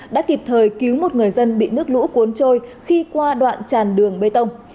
đã kịp thời cứu một người dân bị nước lũ cuốn trôi khi qua đoạn tràn đường bê tông